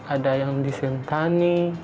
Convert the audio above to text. ada yang di sentani